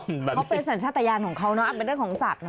เขาเป็นสัญชาติยานของเขาเนอะเป็นเรื่องของสัตว์นะ